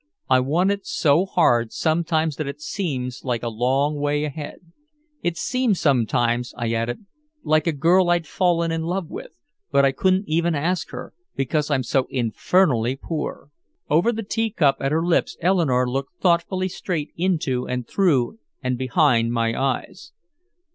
"I want it so hard sometimes that it seems like a long way ahead. It seems sometimes," I added, "like a girl I'd fallen in love with but I couldn't even ask her because I'm so infernally poor." Over the tea cup at her lips Eleanore looked thoughtfully straight into and through and behind my eyes.